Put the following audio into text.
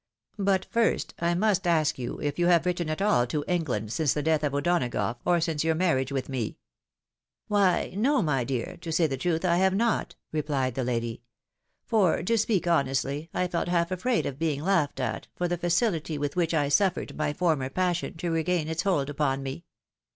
But first, I must ask you if you have written at all to England since the death of O'Donagough, or since yom: marriage with me?" " Why, no, my dear — ^to say the truth, I have not," replied the lady ;—" for, to speak honestly, I felt half afraid of being laughed at, for the facility with which I suffered my former passion to regain its hold upon me."